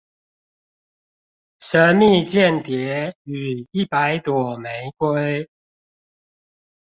神祕間諜與一百朵玫瑰